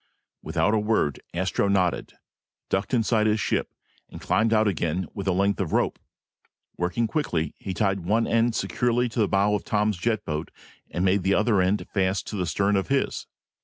Without a word, Astro nodded, ducked inside his ship, and climbed out again with a length of rope. Working quickly, he tied one end securely to the bow of Tom's jet boat and made the other end fast to the stern of his.